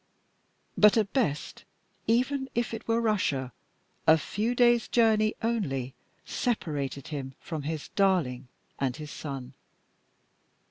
But at best, even if it were Russia, a few days' journey only separated him from his darling and his son!